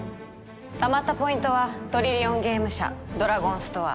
たまったポイントはトリリオンゲーム社ドラゴンストア